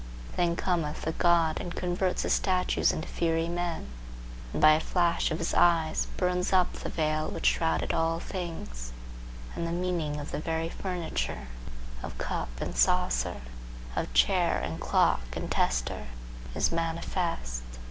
Then cometh the god and converts the statues into fiery men, and by a flash of his eye burns up the veil which shrouded all things, and the meaning of the very furniture, of cup and saucer, of chair and clock and tester, is manifest.